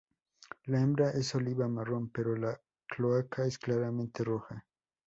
La hembra es oliva-marrón, pero la cloaca es claramente roja.